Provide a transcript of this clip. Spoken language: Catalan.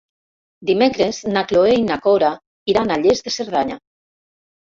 Dimecres na Cloè i na Cora iran a Lles de Cerdanya.